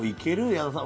矢田さん。